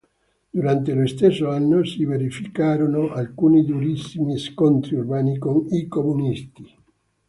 Durante lo stesso anno si verificarono alcuni durissimi scontri urbani con i comunisti.